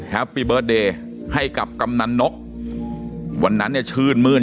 ปีเบิร์ตเดย์ให้กับกำนันนกวันนั้นเนี่ยชื่นมื้น